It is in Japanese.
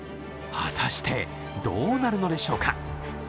果たしてどうなるのでしょうか？